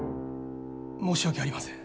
申し訳ありません。